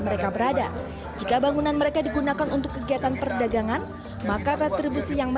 mereka berada jika bangunan mereka digunakan untuk kegiatan perdagangan maka retribusi yang